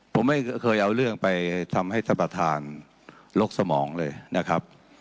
ผมไม่เคยเอาเรื่องไปทำให้ท่านประธานลกสมองเลยนะครับ